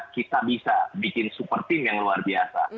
kita bisa bikin super team yang luar biasa